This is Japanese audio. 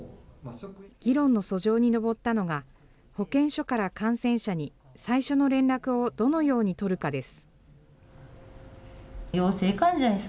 議論のそ上に上ったのが、保健所から感染者に最初の連絡をどのように取るかです。